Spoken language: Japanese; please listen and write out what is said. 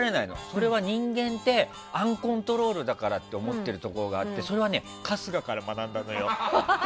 それは人間ってアンコントロールだからと思ってるところがあってそれは春日から学んだんだよ。